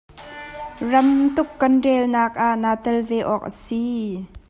Ramtuk kan relnak ah naa tel ve awk a si.